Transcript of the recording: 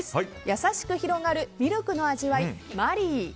優しく広がるミルクの味わいマリー。